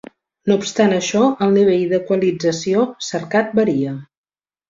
No obstant això, el nivell d'equalització cercat varia.